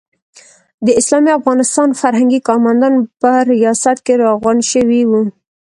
د اسلامي افغانستان فرهنګي کارمندان په ریاست کې راغونډ شوي وو.